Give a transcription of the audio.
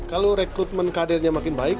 kalau rekrutmen kadernya makin baik